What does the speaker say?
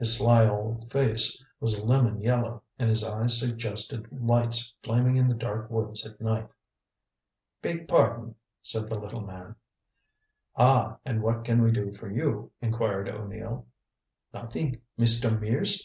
His sly old face was a lemon yellow, and his eyes suggested lights flaming in the dark woods at night. "Beg pardon," said the little man. "Ah, and what can we do for you?" inquired O'Neill. "Nothing. Mr. Mears?